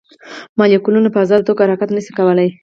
مالیکولونه په ازاده توګه حرکت نه شي کولی.